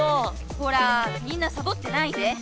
ほらみんなさぼってないで。